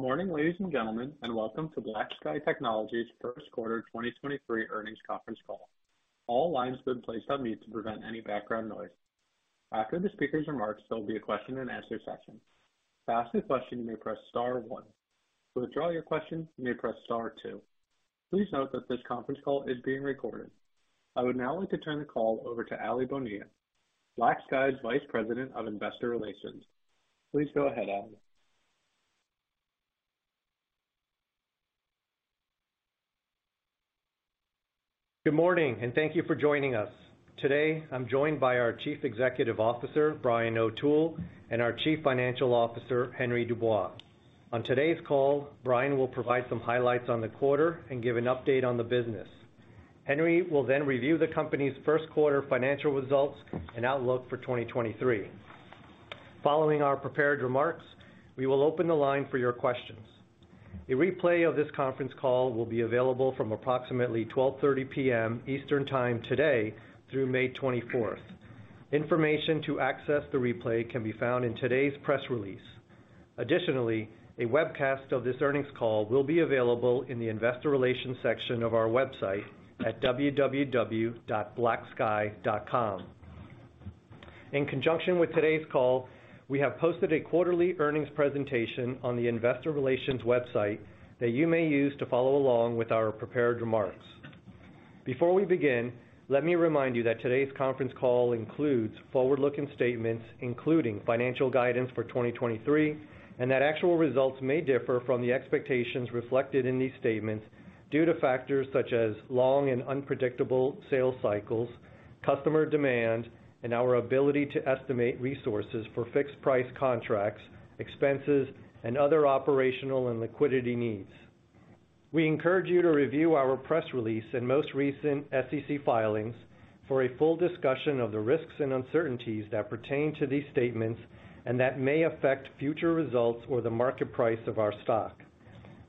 Good morning, ladies and gentlemen, and welcome to BlackSky Technology Inc.'s 1st quarter 2023 earnings conference call. All lines have been placed on mute to prevent any background noise. After the speaker's remarks, there'll be a question and answer session. To ask a question, you may press star one. To withdraw your question, you may press star two. Please note that this conference call is being recorded. I would now like to turn the call over to Aly Bonilla, BlackSky's Vice President of Investor Relations. Please go ahead, Aly. Good morning, thank you for joining us. Today, I'm joined by our Chief Executive Officer, Brian O'Toole, and our Chief Financial Officer, Henry Dubois. On today's call, Brian will provide some highlights on the quarter and give an update on the business. Henry will review the company's first quarter financial results and outlook for 2023. Following our prepared remarks, we will open the line for your questions. A replay of this conference call will be available from approximately 12:30 P.M. Eastern time today through May 24th. Information to access the replay can be found in today's press release. A webcast of this earnings call will be available in the investor relations section of our website at www.blacksky.com. In conjunction with today's call, we have posted a quarterly earnings presentation on the investor relations website that you may use to follow along with our prepared remarks. Before we begin, let me remind you that today's conference call includes forward-looking statements, including financial guidance for 2023. Actual results may differ from the expectations reflected in these statements due to factors such as long and unpredictable sales cycles, customer demand, and our ability to estimate resources for fixed price contracts, expenses, and other operational and liquidity needs. We encourage you to review our press release and most recent SEC filings for a full discussion of the risks and uncertainties that pertain to these statements and that may affect future results or the market price of our stock.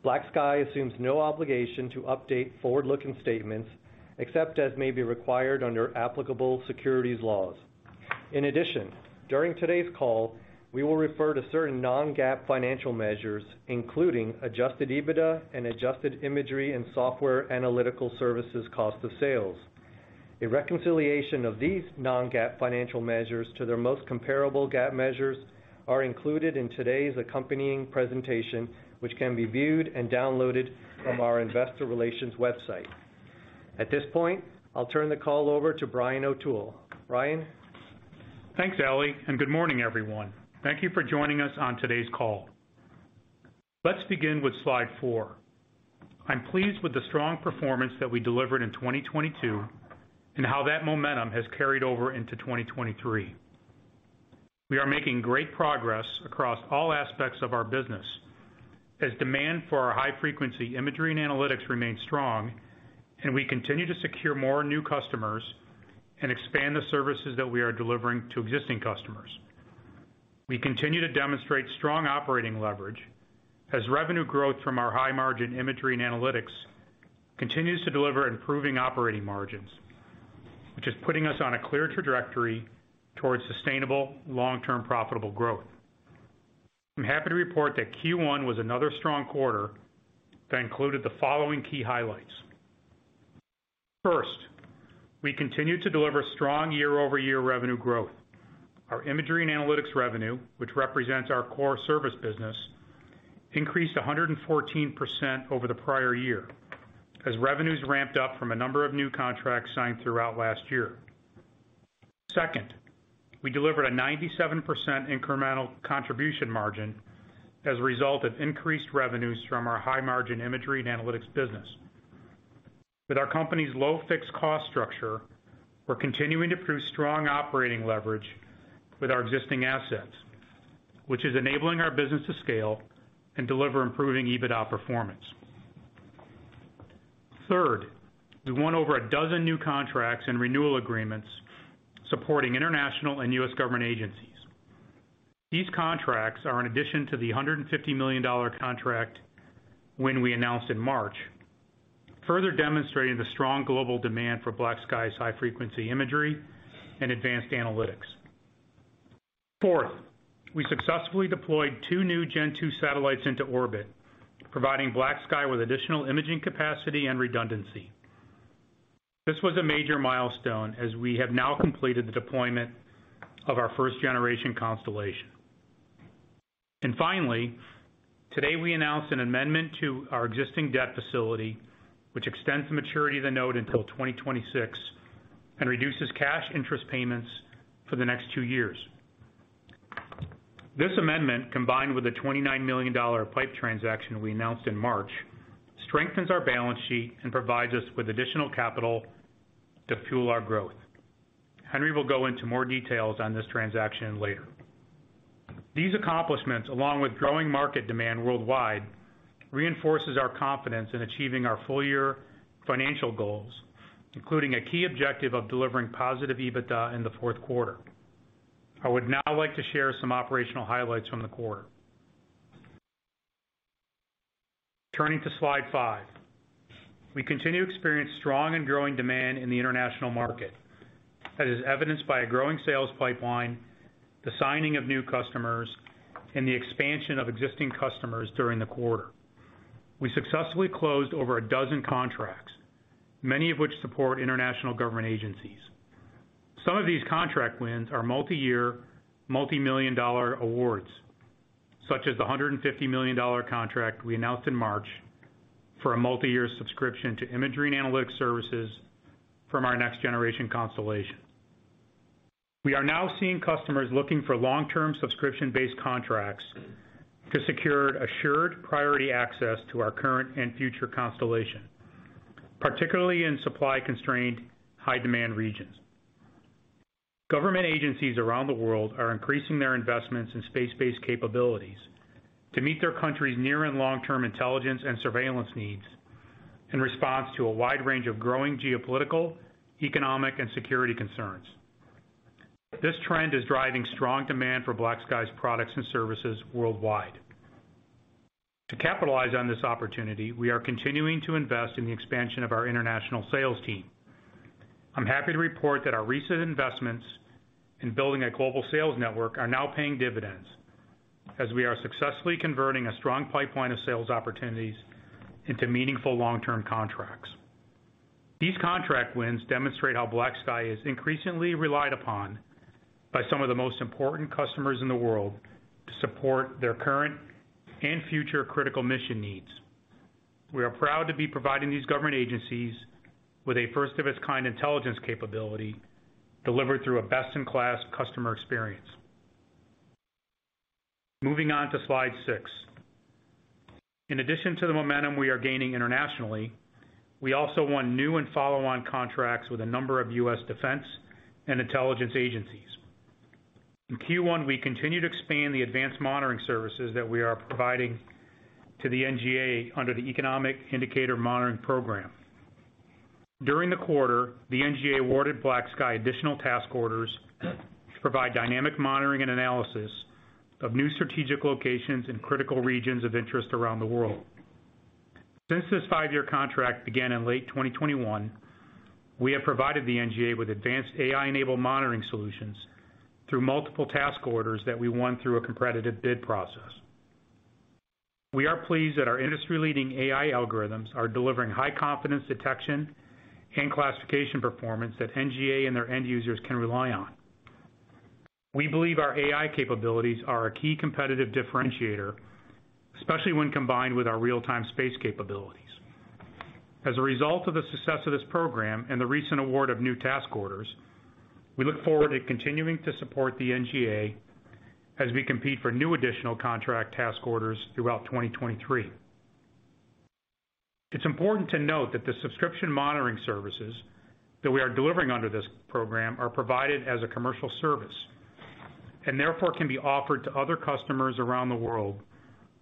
BlackSky assumes no obligation to update forward-looking statements, except as may be required under applicable securities laws. In addition, during today's call, we will refer to certain non-GAAP financial measures, including Adjusted EBITDA and adjusted imagery and software analytical services cost of sales. A reconciliation of these non-GAAP financial measures to their most comparable GAAP measures are included in today's accompanying presentation, which can be viewed and downloaded from our investor relations website. At this point, I'll turn the call over to Brian O'Toole. Brian? Thanks, Aly, and good morning, everyone. Thank you for joining us on today's call. Let's begin with slide four. I'm pleased with the strong performance that we delivered in 2022 and how that momentum has carried over into 2023. We are making great progress across all aspects of our business as demand for our high-frequency imagery and analytics remains strong, and we continue to secure more new customers and expand the services that we are delivering to existing customers. We continue to demonstrate strong operating leverage as revenue growth from our high-margin imagery and analytics continues to deliver improving operating margins, which is putting us on a clear trajectory towards sustainable long-term profitable growth. I'm happy to report that Q1 was another strong quarter that included the following key highlights. First, we continued to deliver strong year-over-year revenue growth. Our imagery and analytics revenue, which represents our core service business, increased 114% over the prior year as revenues ramped up from a number of new contracts signed throughout last year. Second, we delivered a 97% incremental contribution margin as a result of increased revenues from our high-margin imagery and analytics business. With our company's low fixed cost structure, we're continuing to prove strong operating leverage with our existing assets, which is enabling our business to scale and deliver improving EBITDA performance. Third, we won over a dozen new contracts and renewal agreements supporting international and U.S. government agencies. These contracts are in addition to the $150 million contract when we announced in March, further demonstrating the strong global demand for BlackSky's high-frequency imagery and advanced analytics. Fourth, we successfully deployed 2 new Gen-2 satellites into orbit, providing BlackSky with additional imaging capacity and redundancy. This was a major milestone as we have now completed the deployment of our first-generation constellation. Finally, today we announced an amendment to our existing debt facility, which extends the maturity of the note until 2026 and reduces cash interest payments for the next two years. This amendment, combined with the $29 million PIPE transaction we announced in March, strengthens our balance sheet and provides us with additional capital to fuel our growth. Henry will go into more details on this transaction later. These accomplishments, along with growing market demand worldwide, reinforces our confidence in achieving our full year financial goals, including a key objective of delivering positive EBITDA in the fourth quarter. I would now like to share some operational highlights from the quarter. Turning to Slide five. We continue to experience strong and growing demand in the international market. That is evidenced by a growing sales pipeline, the signing of new customers, and the expansion of existing customers during the quarter. We successfully closed over a dozen contracts, many of which support international government agencies. Some of these contract wins are multi-year, multi-million dollar awards, such as the $150 million contract we announced in March for a multi-year subscription to imagery and analytics services from our next-generation constellation. We are now seeing customers looking for long-term subscription-based contracts to secure assured priority access to our current and future constellation, particularly in supply-constrained, high-demand regions. Government agencies around the world are increasing their investments in space-based capabilities to meet their country's near and long-term intelligence and surveillance needs in response to a wide range of growing geopolitical, economic, and security concerns. This trend is driving strong demand for BlackSky's products and services worldwide. To capitalize on this opportunity, we are continuing to invest in the expansion of our international sales team. I'm happy to report that our recent investments in building a global sales network are now paying dividends as we are successfully converting a strong pipeline of sales opportunities into meaningful long-term contracts. These contract wins demonstrate how BlackSky is increasingly relied upon by some of the most important customers in the world to support their current and future critical mission needs. We are proud to be providing these government agencies with a first-of-its-kind intelligence capability delivered through a best-in-class customer experience. Moving on to slide six. In addition to the momentum we are gaining internationally, we also won new and follow-on contracts with a number of U.S. defense and intelligence agencies. In Q1, we continued to expand the advanced monitoring services that we are providing to the NGA under the Economic Indicator Monitoring Program. During the quarter, the NGA awarded BlackSky additional task orders to provide dynamic monitoring and analysis of new strategic locations in critical regions of interest around the world. Since this 5-year contract began in late 2021, we have provided the NGA with advanced AI-enabled monitoring solutions through multiple task orders that we won through a competitive bid process. We are pleased that our industry-leading AI algorithms are delivering high-confidence detection and classification performance that NGA and their end users can rely on. We believe our AI capabilities are a key competitive differentiator, especially when combined with our real-time space capabilities. As a result of the success of this program and the recent award of new task orders, we look forward to continuing to support the NGA as we compete for new additional contract task orders throughout 2023. It's important to note that the subscription monitoring services that we are delivering under this program are provided as a commercial service, and therefore can be offered to other customers around the world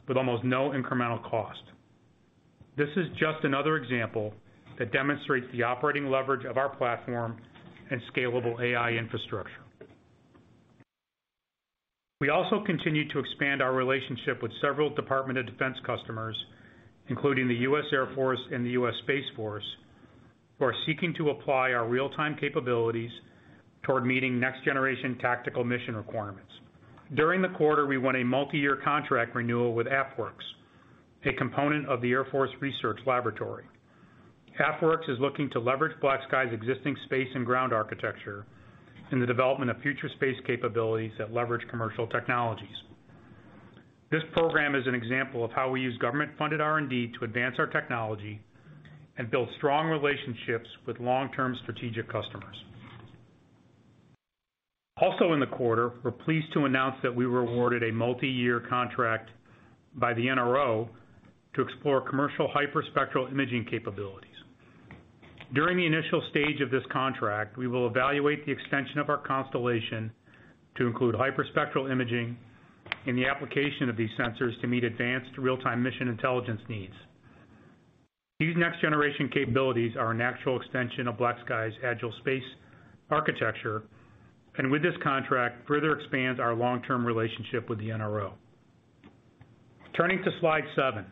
with almost no incremental cost. This is just another example that demonstrates the operating leverage of our platform and scalable AI infrastructure. We also continue to expand our relationship with several Department of Defense customers, including the U.S. Air Force and the U.S. Space Force, who are seeking to apply our real-time capabilities toward meeting next-generation tactical mission requirements. During the quarter, we won a multi-year contract renewal with AFWERX, a component of the Air Force Research Laboratory. AFWERX is looking to leverage BlackSky's existing space and ground architecture in the development of future space capabilities that leverage commercial technologies. This program is an example of how we use government-funded R&D to advance our technology and build strong relationships with long-term strategic customers. In the quarter, we're pleased to announce that we were awarded a multi-year contract by the NRO to explore commercial hyperspectral imaging capabilities. During the initial stage of this contract, we will evaluate the extension of our constellation to include hyperspectral imaging and the application of these sensors to meet advanced real-time mission intelligence needs. These next-generation capabilities are a natural extension of BlackSky's agile space architecture and with this contract, further expands our long-term relationship with the NRO. Turning to slide seven.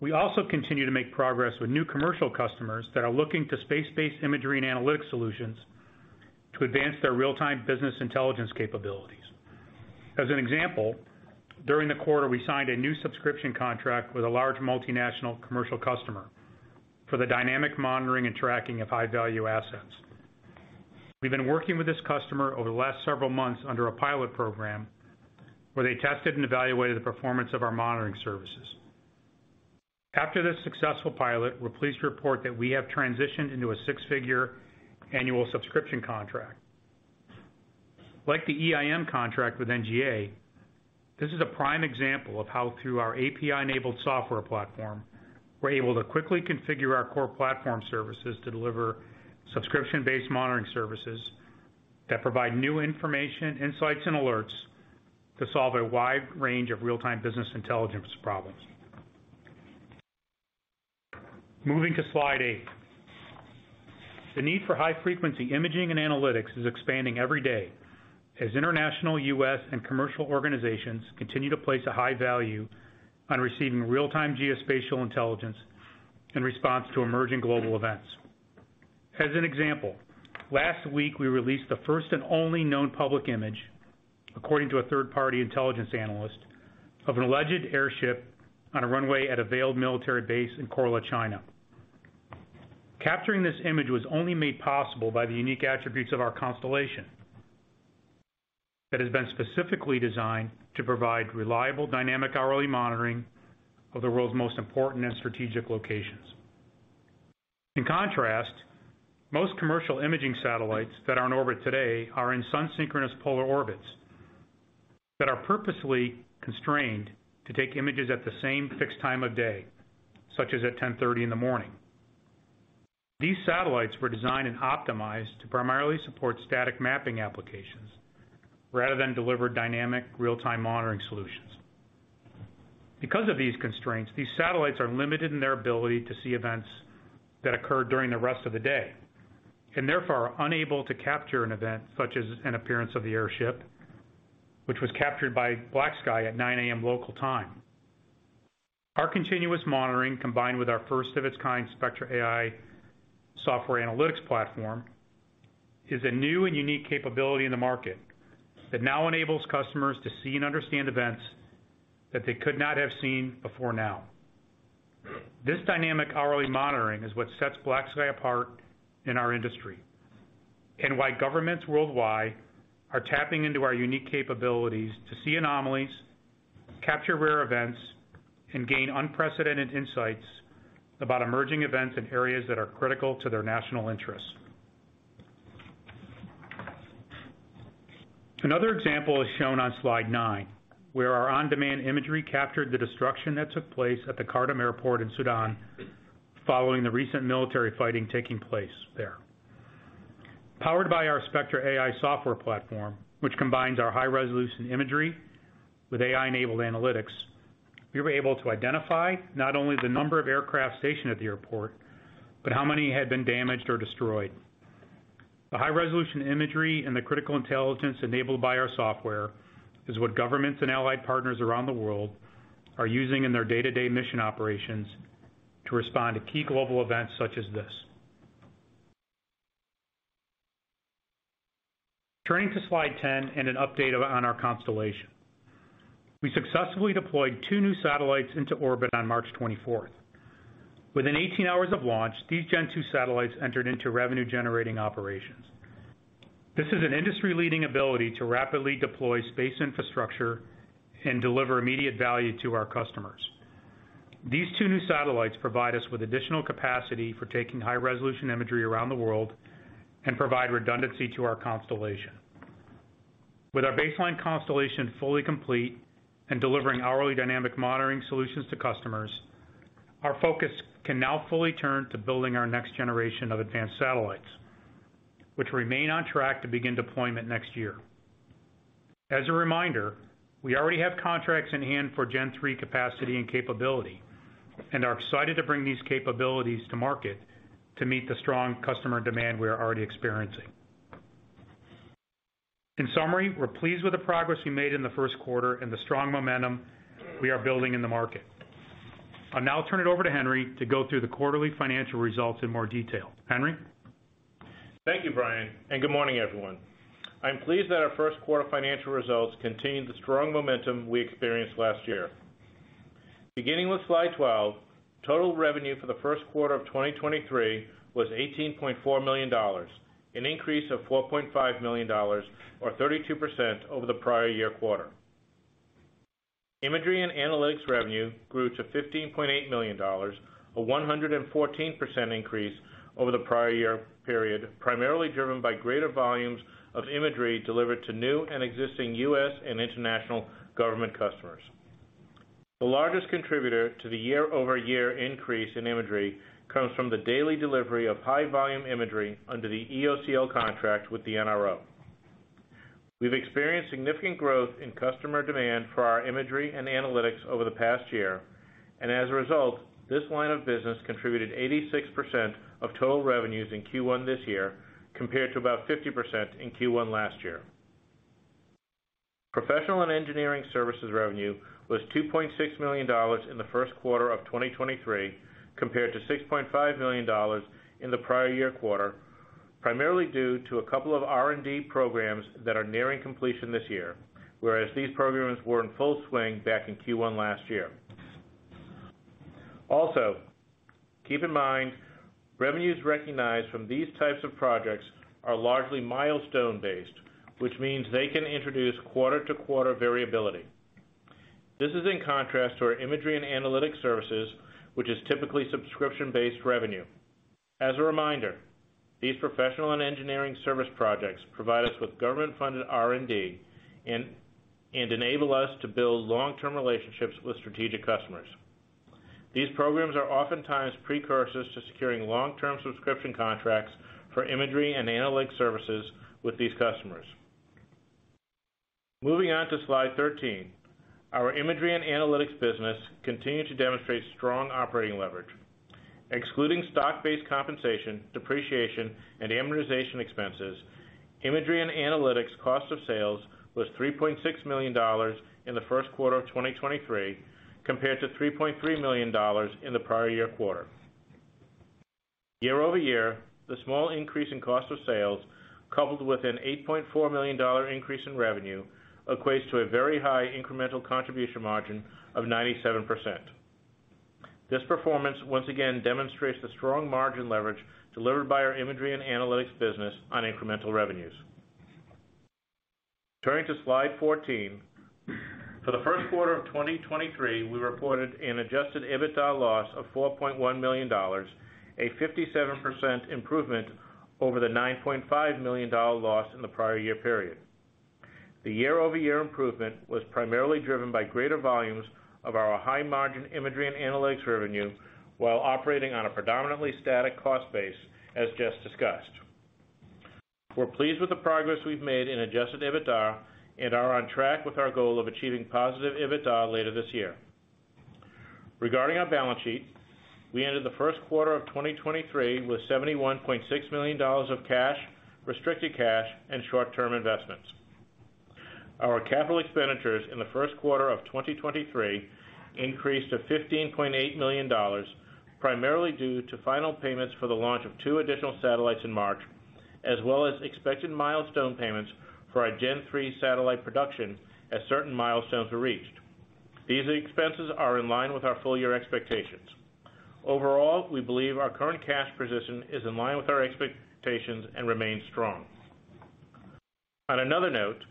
We also continue to make progress with new commercial customers that are looking to space-based imagery and analytics solutions to advance their real-time business intelligence capabilities. As an example, during the quarter, we signed a new subscription contract with a large multinational commercial customer for the dynamic monitoring and tracking of high-value assets. We've been working with this customer over the last several months under a pilot program where they tested and evaluated the performance of our monitoring services. After this successful pilot, we're pleased to report that we have transitioned into a six-figure annual subscription contract. Like the EIM contract with NGA, this is a prime example of how through our API-enabled software platform, we're able to quickly configure our core platform services to deliver subscription-based monitoring services that provide new information, insights, and alerts to solve a wide range of real-time business intelligence problems. Moving to slide eight. The need for high frequency imaging and analytics is expanding every day as international, U.S., and commercial organizations continue to place a high value on receiving real-time geospatial intelligence in response to emerging global events. As an example, last week, we released the first and only known public image, according to a third-party intelligence analyst, of an alleged airship on a runway at a veiled military base in Korla, China. Capturing this image was only made possible by the unique attributes of our constellation. That has been specifically designed to provide reliable, dynamic, hourly monitoring of the world's most important and strategic locations. In contrast, most commercial imaging satellites that are in orbit today are in sun-synchronous polar orbits that are purposefully constrained to take images at the same fixed time of day, such as at 10:30 A.M. These satellites were designed and optimized to primarily support static mapping applications rather than deliver dynamic real-time monitoring solutions. Because of these constraints, these satellites are limited in their ability to see events that occur during the rest of the day, and therefore are unable to capture an event such as an appearance of the airship, which was captured by BlackSky at 9:00 A.M. local time. Our continuous monitoring, combined with our first of its kind Spectra AI software analytics platform, is a new and unique capability in the market that now enables customers to see and understand events that they could not have seen before now. This dynamic hourly monitoring is what sets BlackSky apart in our industry, why governments worldwide are tapping into our unique capabilities to see anomalies, capture rare events, and gain unprecedented insights about emerging events in areas that are critical to their national interests. Another example is shown on slide nine, where our on-demand imagery captured the destruction that took place at the Khartoum International Airport in Sudan following the recent military fighting taking place there. Powered by our Spectra AI software platform, which combines our high resolution imagery with AI-enabled analytics, we were able to identify not only the number of aircraft stationed at the airport, but how many had been damaged or destroyed. The high-resolution imagery and the critical intelligence enabled by our software is what governments and allied partners around the world are using in their day-to-day mission operations to respond to key global events such as this. Turning to slide ten and an update on our constellation. We successfully deployed two new satellites into orbit on March 24th. Within 18 hours of launch, these Gen-2 satellites entered into revenue-generating operations. This is an industry-leading ability to rapidly deploy space infrastructure and deliver immediate value to our customers. These two new satellites provide us with additional capacity for taking high-resolution imagery around the world and provide redundancy to our constellation. With our baseline constellation fully complete and delivering hourly dynamic monitoring solutions to customers, our focus can now fully turn to building our next generation of advanced satellites, which remain on track to begin deployment next year. As a reminder, we already have contracts in hand for Gen-3 capacity and capability, and are excited to bring these capabilities to market to meet the strong customer demand we are already experiencing. In summary, we're pleased with the progress we made in the first quarter and the strong momentum we are building in the market. I'll now turn it over to Henry to go through the quarterly financial results in more detail. Henry? Thank you, Brian. Good morning, everyone. I'm pleased that our first quarter financial results continued the strong momentum we experienced last year. Beginning with slide 12, total revenue for the first quarter of 2023 was $18.4 million, an increase of $4.5 million or 32% over the prior year quarter. Imagery and analytics revenue grew to $15.8 million, a 114% increase over the prior year period, primarily driven by greater volumes of imagery delivered to new and existing U.S. and international government customers. The largest contributor to the year-over-year increase in imagery comes from the daily delivery of high volume imagery under the EOCL contract with the NRO. We've experienced significant growth in customer demand for our imagery and analytics over the past year, and as a result, this line of business contributed 86% of total revenues in Q1 this year, compared to about 50% in Q1 last year. Professional and engineering services revenue was $2.6 million in the first quarter of 2023, compared to $6.5 million in the prior year quarter, primarily due to a couple of R&D programs that are nearing completion this year, whereas these programs were in full swing back in Q1 last year. Also, keep in mind, revenues recognized from these types of projects are largely milestone-based, which means they can introduce quarter-to-quarter variability. This is in contrast to our imagery and analytics services, which is typically subscription-based revenue. As a reminder, these professional and engineering service projects provide us with government-funded R&D and enable us to build long-term relationships with strategic customers. These programs are oftentimes precursors to securing long-term subscription contracts for imagery and analytics services with these customers. Moving on to slide 13. Our imagery and analytics business continued to demonstrate strong operating leverage. Excluding stock-based compensation, depreciation, and amortization expenses, imagery and analytics cost of sales was $3.6 million in the first quarter of 2023 compared to $3.3 million in the prior year quarter. Year-over-year, the small increase in cost of sales, coupled with an $8.4 million increase in revenue, equates to a very high incremental contribution margin of 97%. This performance once again demonstrates the strong margin leverage delivered by our imagery and analytics business on incremental revenues. Turning to slide 14. For the first quarter of 2023, we reported an Adjusted EBITDA loss of $4.1 million, a 57% improvement over the $9.5 million loss in the prior year period. The year-over-year improvement was primarily driven by greater volumes of our high-margin imagery and analytics revenue while operating on a predominantly static cost base, as just discussed. We're pleased with the progress we've made in Adjusted EBITDA and are on track with our goal of achieving positive EBITDA later this year. Regarding our balance sheet, we ended the first quarter of 2023 with $71.6 million of cash, restricted cash, and short-term investments. Our capital expenditures in the first quarter of 2023 increased to $15.8 million, primarily due to final payments for the launch of two additional satellites in March, as well as expected milestone payments for our Gen-3 satellite production as certain milestones were reached. These expenses are in line with our full year expectations. Overall, we believe our current cash position is in line with our expectations and remains strong. On another note,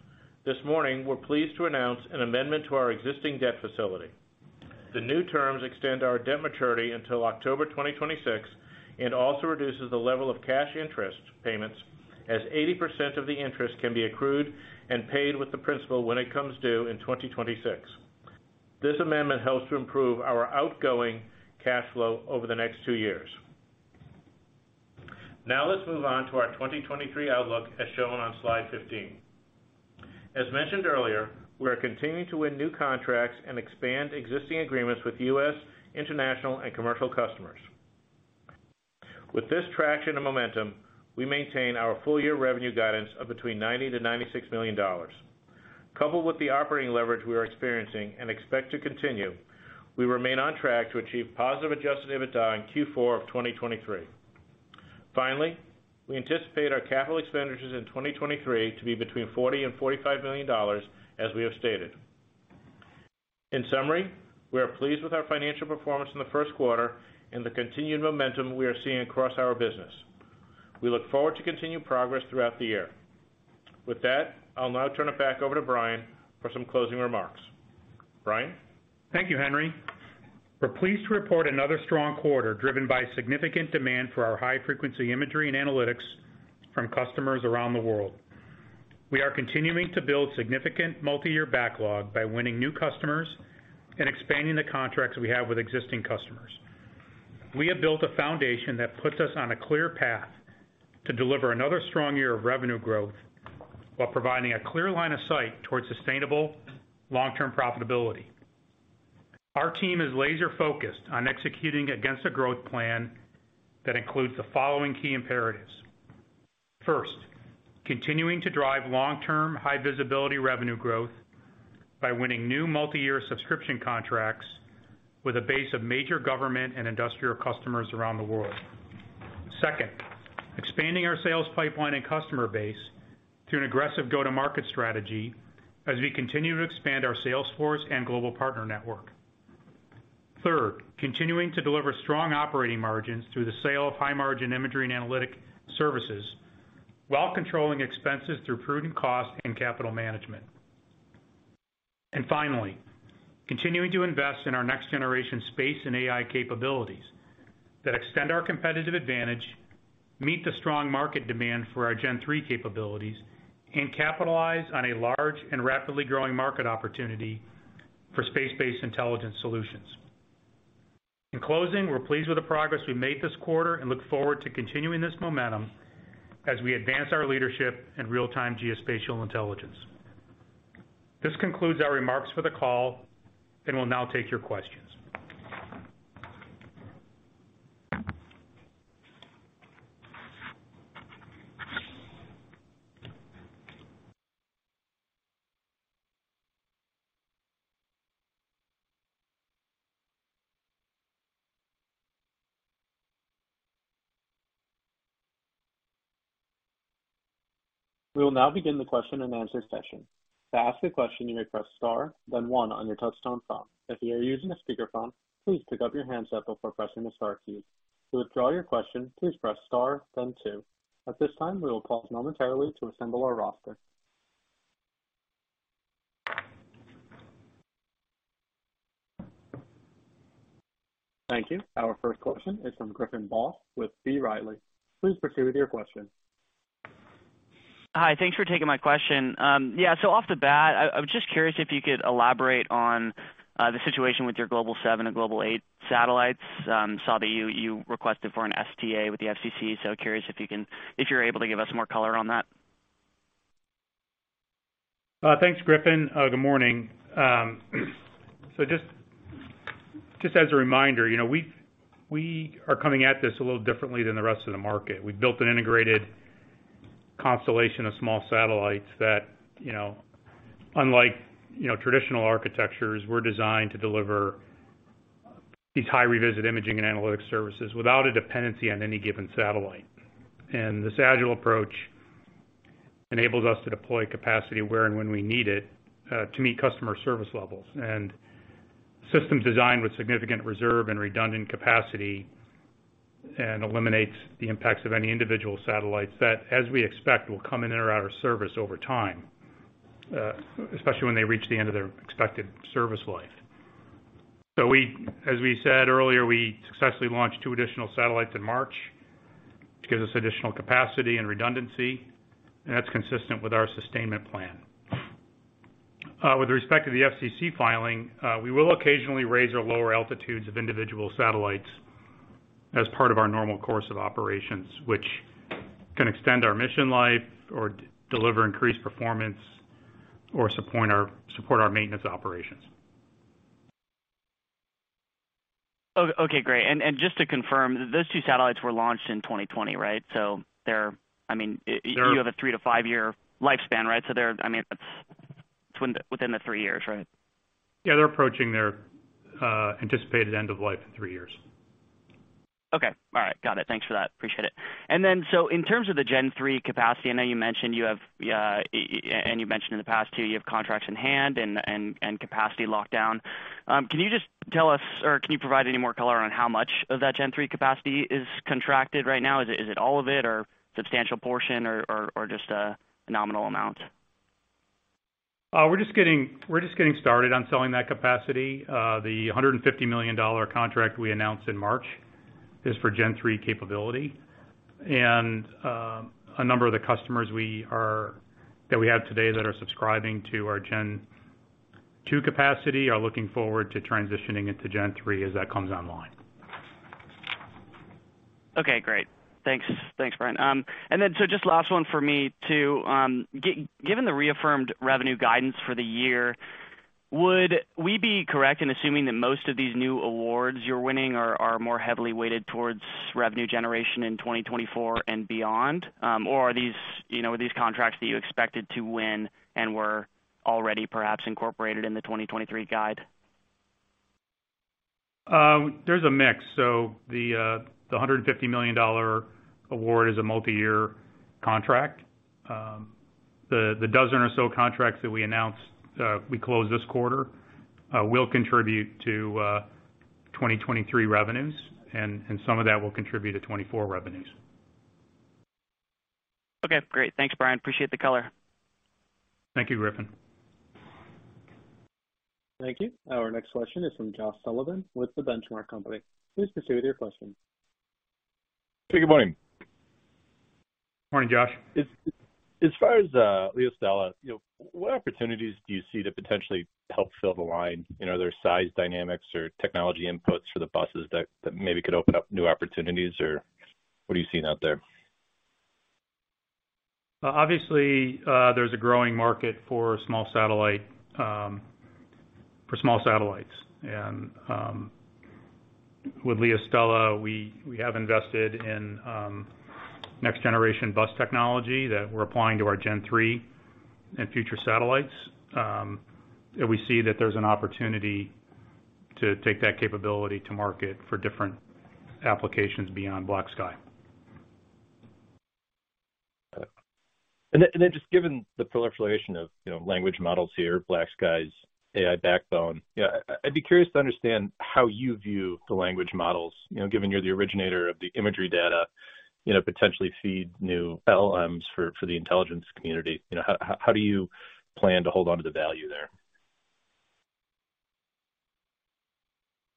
this morning, we're pleased to announce an amendment to our existing debt facility. The new terms extend our debt maturity until October 2026 and also reduces the level of cash interest payments as 80% of the interest can be accrued and paid with the principal when it comes due in 2026. This amendment helps to improve our outgoing cash flow over the next two years. Now let's move on to our 2023 outlook as shown on slide 15. As mentioned earlier, we are continuing to win new contracts and expand existing agreements with US, international, and commercial customers. With this traction and momentum, we maintain our full year revenue guidance of between $90 million-96 million. Coupled with the operating leverage we are experiencing and expect to continue, we remain on track to achieve positive Adjusted EBITDA in Q4 of 2023. Finally, we anticipate our capital expenditures in 2023 to be between $40 million and $45 million as we have stated. In summary, we are pleased with our financial performance in the first quarter and the continued momentum we are seeing across our business. We look forward to continued progress throughout the year. With that, I'll now turn it back over to Brian for some closing remarks. Brian? Thank you, Henry. We're pleased to report another strong quarter driven by significant demand for our high-frequency imagery and analytics from customers around the world. We are continuing to build significant multiyear backlog by winning new customers and expanding the contracts we have with existing customers. We have built a foundation that puts us on a clear path to deliver another strong year of revenue growth while providing a clear line of sight towards sustainable long-term profitability. Our team is laser-focused on executing against a growth plan that includes the following key imperatives. First, continuing to drive long-term, high-visibility revenue growth by winning new multiyear subscription contracts with a base of major government and industrial customers around the world. Second, expanding our sales pipeline and customer base through an aggressive go-to-market strategy as we continue to expand our sales force and global partner network. Third, continuing to deliver strong operating margins through the sale of high-margin imagery and analytic services while controlling expenses through prudent cost and capital management. Finally, continuing to invest in our next-generation space and AI capabilities that extend our competitive advantage, meet the strong market demand for our Gen-3 capabilities, and capitalize on a large and rapidly growing market opportunity for space-based intelligence solutions. In closing, we're pleased with the progress we made this quarter and look forward to continuing this momentum as we advance our leadership in real-time geospatial intelligence. This concludes our remarks for the call, and we'll now take your questions. We will now begin the question-and-answer session. To ask a question, you may press star then one on your touchtone phone. If you are using a speakerphone, please pick up your handset before pressing the star key. To withdraw your question, please press star then two. At this time, we will pause momentarily to assemble our roster. Thank you. Our first question is from Griffin Boss with B. Riley. Please proceed with your question. Hi. Thanks for taking my question. Off the bat, I was just curious if you could elaborate on the situation with your Global 7 and Global 8 satellites. Saw that you requested for an STA with the FCC. Curious if you're able to give us more color on that. Thanks Griffin. Good morning. Just as a reminder, you know, we are coming at this a little differently than the rest of the market. We've built an integrated constellation of small satellites that, you know, unlike, you know, traditional architectures, we're designed to deliver these high revisit imaging and analytics services without a dependency on any given satellite. This agile approach enables us to deploy capacity where and when we need it, to meet customer service levels. Systems designed with significant reserve and redundant capacity and eliminates the impacts of any individual satellites that, as we expect, will come in or out of service over time, especially when they reach the end of their expected service life. As we said earlier, we successfully launched two additional satellites in March, which gives us additional capacity and redundancy, and that's consistent with our sustainment plan. With respect to the FCC filing, we will occasionally raise or lower altitudes of individual satellites as part of our normal course of operations, which can extend our mission life or deliver increased performance or support our maintenance operations. Okay, great. Just to confirm, those two satellites were launched in 2020, right? I mean. They're- You have a three to five-year lifespan, right? I mean, it's within the three years, right? Yeah, they're approaching their anticipated end of life in three years. Okay. All right. Got it. Thanks for that. Appreciate it. In terms of the Gen-3 capacity, I know you mentioned you have, and you mentioned in the past too, you have contracts in hand and capacity lockdown. Can you just tell us or can you provide any more color on how much of that Gen-3 capacity is contracted right now? Is it, is it all of it or substantial portion or just a nominal amount? We're just getting started on selling that capacity. The $150 million contract we announced in March is for Gen-3 capability. A number of the customers that we have today that are subscribing to our Gen-2 capacity are looking forward to transitioning into Gen-3 as that comes online. Okay, great. Thanks. Thanks, Brian. Just last one for me too. Given the reaffirmed revenue guidance for the year, would we be correct in assuming that most of these new awards you're winning are more heavily weighted towards revenue generation in 2024 and beyond? Or are these, you know, these contracts that you expected to win and were already perhaps incorporated in the 2023 guide? There's a mix. The $150 million award is a multi-year contract. The dozen or so contracts that we announced, we closed this quarter, will contribute to 2023 revenues, and some of that will contribute to 2024 revenues. Okay, great. Thanks, Brian. Appreciate the color. Thank you, Griffin. Thank you. Our next question is from Josh Sullivan with The Benchmark Company. Please proceed with your question. Good morning. Morning, Josh. As far as LeoStella, you know, what opportunities do you see to potentially help fill the line? You know, are there size dynamics or technology inputs for the buses that maybe could open up new opportunities? Or what are you seeing out there? Obviously, there's a growing market for small satellite, for small satellites. With LeoStella, we have invested in next generation bus technology that we're applying to our Gen-3 and future satellites. We see that there's an opportunity to take that capability to market for different applications beyond BlackSky. Then just given the proliferation of, you know, language models here, BlackSky's AI backbone, you know, I'd be curious to understand how you view the language models? You know, given you're the originator of the imagery data, you know, potentially feed new LLMs for the intelligence community, you know, how do you plan to hold onto the value there?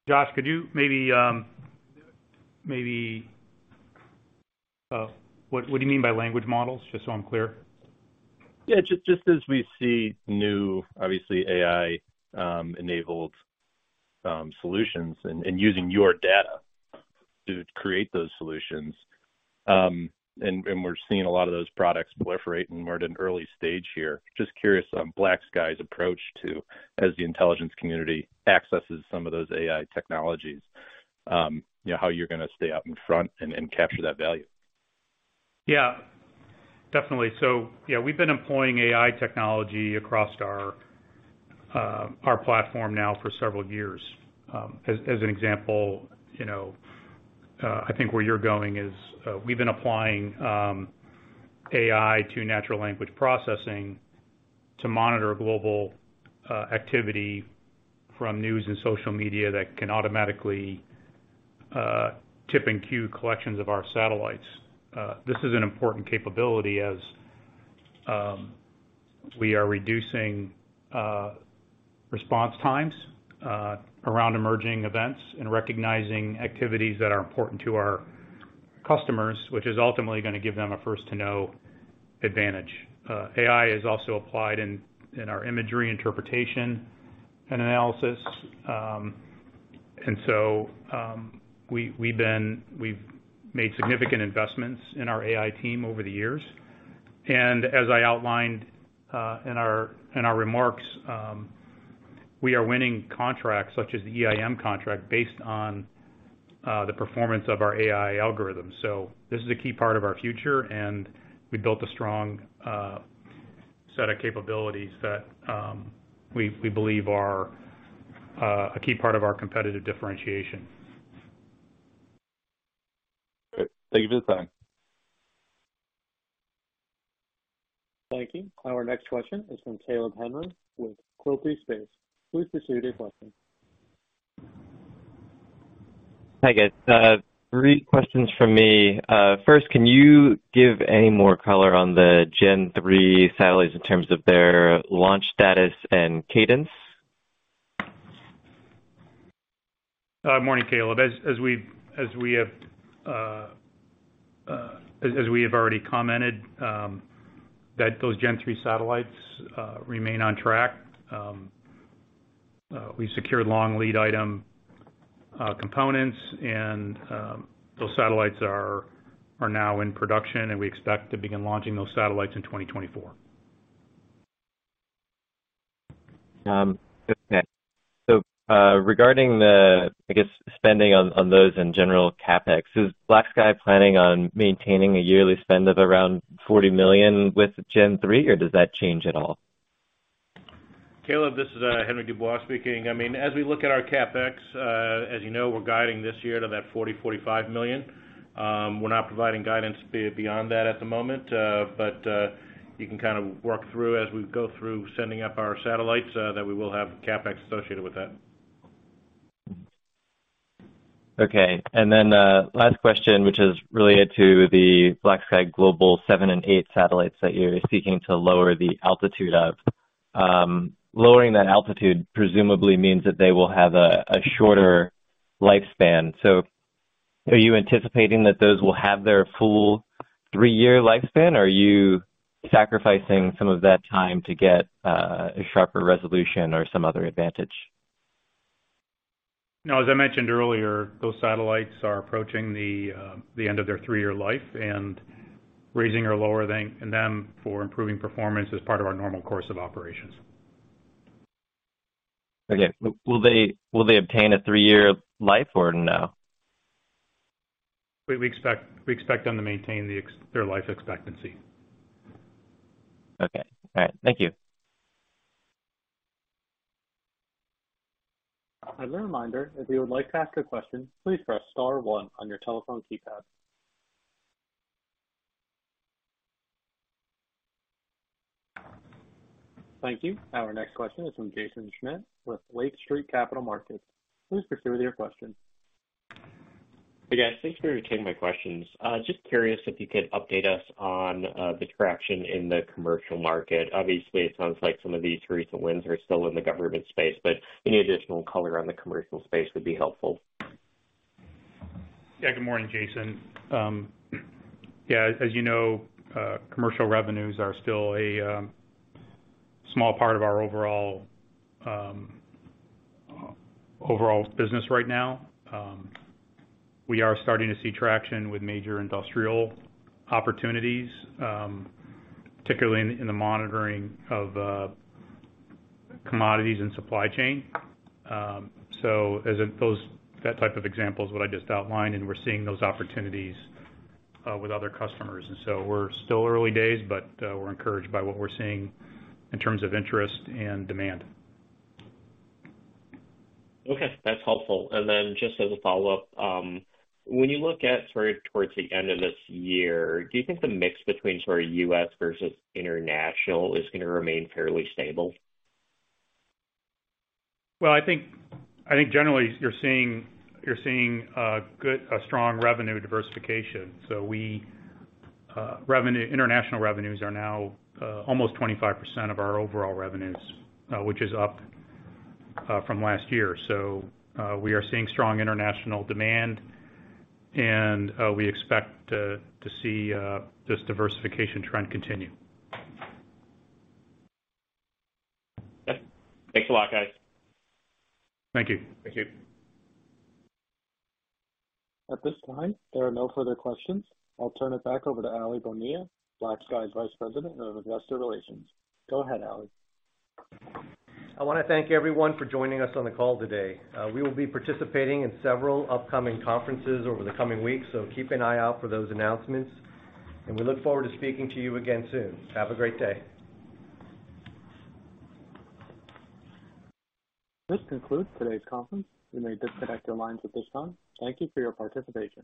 Josh, could you maybe What do you mean by language models? Just so I'm clear? Yeah. Just as we see new, obviously AI enabled solutions and using your data to create those solutions. We're seeing a lot of those products proliferate and we're at an early stage here. Just curious on BlackSky's approach to, as the intelligence community accesses some of those AI technologies, you know, how you're gonna stay out in front and capture that value. Definitely. We've been employing AI technology across our platform now for several years. As an example, you know, I think where you're going is we've been applying AI to natural language processing to monitor global activity from news and social media that can automatically tip and queue collections of our satellites. This is an important capability as we are reducing response times around emerging events and recognizing activities that are important to our customers, which is ultimately gonna give them a first to know advantage. AI is also applied in our imagery interpretation and analysis. We've made significant investments in our AI team over the years. As I outlined, in our remarks, we are winning contracts such as the EIM contract based on the performance of our AI algorithm. This is a key part of our future, and we built a strong set of capabilities that we believe are a key part of our competitive differentiation. Great. Thank you for the time. Thank you. Our next question is from Caleb Henry with Quilty Space. Please proceed with your question. Hi, guys. Three questions from me. First, can you give any more color on the Gen-3 satellites in terms of their launch status and cadence? Morning, Caleb Henry. As we have already commented, that those Gen-3 satellites remain on track. We've secured long lead item components and those satellites are now in production, and we expect to begin launching those satellites in 2024. Okay. regarding the, I guess, spending on those in general CapEx. Is BlackSky planning on maintaining a yearly spend of around $40 million with Gen-3, or does that change at all? Caleb, this is Henry Dubois speaking. I mean, as we look at our CapEx, as you know, we're guiding this year to that $40 million-45 million. We're not providing guidance beyond that at the moment. You can kind of work through as we go through sending up our satellites, that we will have CapEx associated with that. Okay. Last question, which is related to the BlackSky Global 7 and Global 8 satellites that you're seeking to lower the altitude of. Lowering that altitude presumably means that they will have a shorter lifespan. Are you anticipating that those will have their full 3-year lifespan? Are you sacrificing some of that time to get a sharper resolution or some other advantage? As I mentioned earlier, those satellites are approaching the end of their three-year life, and raising or lowering them for improving performance is part of our normal course of operations. Okay. Will they obtain a three-year life or no? We expect them to maintain their life expectancy. Okay. All right. Thank you. As a reminder, if you would like to ask a question, please press star one on your telephone keypad. Thank you. Our next question is from Jaeson Schmidt with Lake Street Capital Markets. Please proceed with your question. Hey, guys. Thanks for taking my questions. Just curious if you could update us on the traction in the commercial market. Obviously, it sounds like some of these recent wins are still in the government space, but any additional color on the commercial space would be helpful. Good morning, Jaeson. As you know, commercial revenues are still a small part of our overall overall business right now. We are starting to see traction with major industrial opportunities, particularly in the monitoring of commodities and supply chain. As that type of example is what I just outlined, and we're seeing those opportunities with other customers. We're still early days, but we're encouraged by what we're seeing in terms of interest and demand. Okay. That's helpful. Just as a follow-up, when you look at sort of towards the end of this year, do you think the mix between sort of U.S. versus international is gonna remain fairly stable? Well, I think generally you're seeing a strong revenue diversification. We international revenues are now almost 25% of our overall revenues, which is up from last year. We are seeing strong international demand and we expect to see this diversification trend continue. Okay. Thanks a lot, guys. Thank you. Thank you. At this time, there are no further questions. I'll turn it back over to Aly Bonilla, BlackSky's Vice President of Investor Relations. Go ahead, Aly. I wanna thank everyone for joining us on the call today. We will be participating in several upcoming conferences over the coming weeks, so keep an eye out for those announcements. We look forward to speaking to you again soon. Have a great day. This concludes today's conference. You may disconnect your lines at this time. Thank you for your participation.